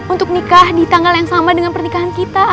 untuk nikah di tanggal yang sama dengan pernikahan kita